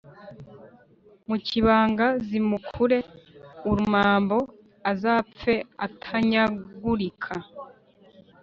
mu kibanga/ zimukure urumambo/ azapfe atanyagurika »